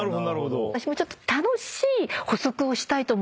私もちょっと。